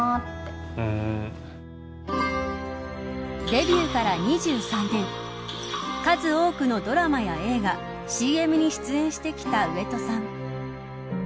デビューから２３年数多くのドラマや映画ＣＭに出演してきた上戸さん。